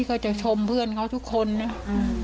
ก็จะชมเพื่อนเขาทุกคนนะอืม